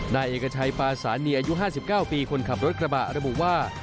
นายเอกชัยปาสานีอายุ๕๙ปีคนขับรถกระบะระบุว่า